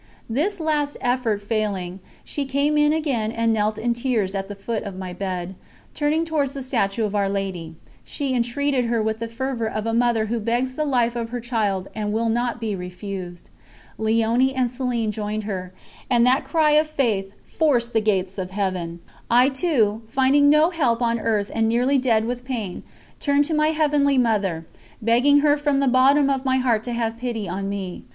This last effort failing, she came in again and knelt in tears at the foot of my bed; turning towards the statue of Our Lady, she entreated her with the fervour of a mother who begs the life of her child and will not be refused. Léonie and Céline joined her, and that cry of faith forced the gates of Heaven. I too, finding no help on earth and nearly dead with pain, turned to my Heavenly Mother, begging her from the bottom of my heart to have pity on me.